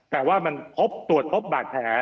แต่ว่ามันพบตรวจพบบาดแผล